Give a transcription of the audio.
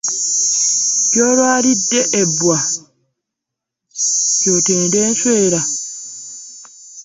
Gyolwalidde ebbwa gy'otenda enswera .